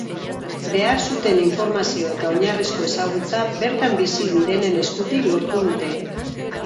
Behar zuten informazio eta oinarrizko ezagutza bertan bizi direnen eskutik lortu dute.